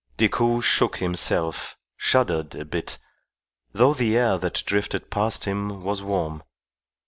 Decoud shook himself, shuddered a bit, though the air that drifted past him was warm.